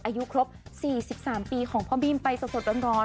อายุครบ๔๓ปีของพ่อบีมไปสดร้อน